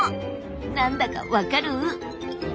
何だか分かる？